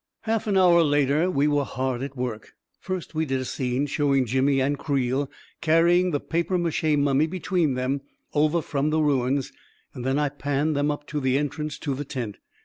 Half an hour later, we were hard at work. First we did a scene showing Jimmy and Creel carrying the papier mache mummy between them over from the ruins, and then I panned them up to the entrance to the tent.